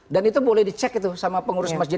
dan itu boleh dicek itu sama pengurus masjid